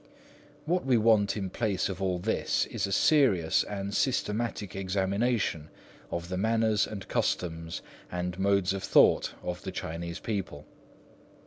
What we want in place of all this is a serious and systematic examination of the manners and customs, and modes of thought, of the Chinese people.